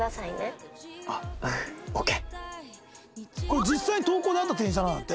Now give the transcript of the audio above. これ実際に投稿であった店員さんなんだって。